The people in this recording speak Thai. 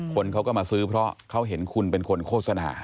คนเขาก็มาซื้อเพราะเขาเห็นคุณเป็นคนโฆษณา